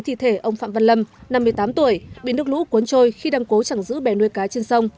thi thể ông phạm văn lâm năm mươi tám tuổi bị nước lũ cuốn trôi khi đang cố chẳng giữ bè nuôi cá trên sông